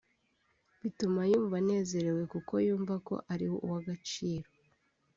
bituma yumva anezerewe kuko yumva ko ari uw’ agaciro